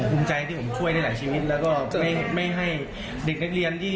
ภูมิใจที่ผมช่วยได้หลายชีวิตแล้วก็ไม่ให้เด็กนักเรียนที่